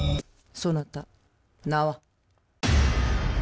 そなた名は？